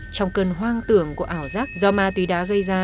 trong cơn hoang tưởng của ảo giác do mà tùy đá gây ra